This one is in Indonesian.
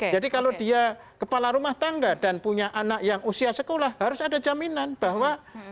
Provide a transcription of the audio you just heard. jadi kalau dia kepala rumah tangga dan punya anak yang usia sekolah harus ada jaminan bahwa